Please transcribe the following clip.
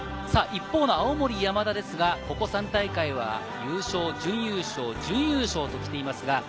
一方の青森山田ですが、ここ３大会は優勝、準優勝、準優勝と来ています。